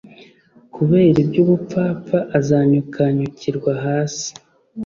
kubera iby'ubupfapfa azanyukanyukirwa hasi